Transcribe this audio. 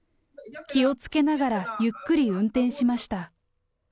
気をつけながらゆっくり運転しました。